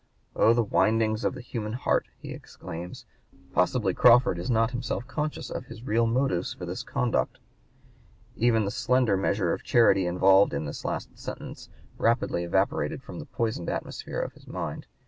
"Oh, the windings of the human heart!" he exclaims; "possibly Crawford is not himself conscious of his real motives for this conduct." Even the slender measure of charity involved in this last sentence rapidly evaporated from the poisoned atmosphere of his mind.